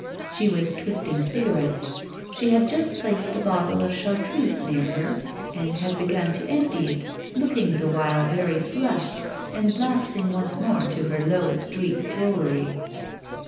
She was twisting cigarettes; she had just placed the bottle of chartreuse near her, and had begun to empty it, looking the while very flushed, and lapsing once more to her low street drollery.